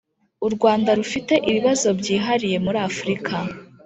u rwanda rufite ibibazo byihariye muri afurika;